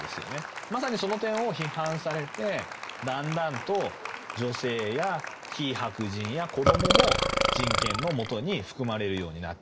まさにその点を批判されてだんだんと女性や非白人や子供も人権の下に含まれるようになっていった。